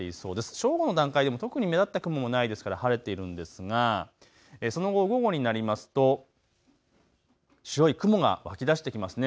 正午の段階でも特に目立った雲ないですから晴れているんですが、その後午後になりますと、白い雲が湧き出してきますね。